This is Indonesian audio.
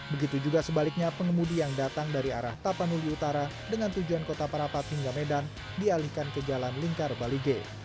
begitu juga sebaliknya pengemudi yang datang dari arah tapanuli utara dengan tujuan kota parapat hingga medan dialihkan ke jalan lingkar balige